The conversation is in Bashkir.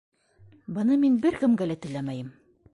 Быны мин бер кемгә лә теләмәйем!